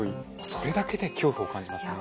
それだけで恐怖を感じますよね。